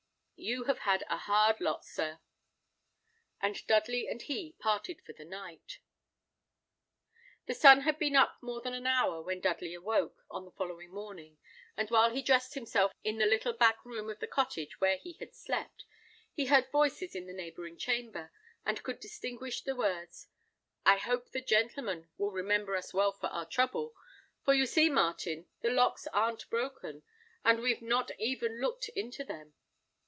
"You have had a hard lot, sir." And Dudley and he parted for the night. The sun had been up more than an hour when Dudley awoke on the following morning; and while he dressed himself in the little back room of the cottage where he had slept, he heard voices in the neighbouring chamber, and could distinguish the words: "I hope the gentleman will remember us well for our trouble, for you see, Martin, the locks aren't broken, and we've not even looked into them."